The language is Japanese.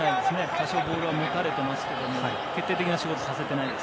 多少、ボールは持たれていますが決定的な仕事をさせてないです。